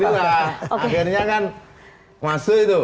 akhirnya kan masuk itu